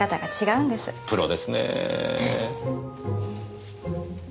プロですねえ。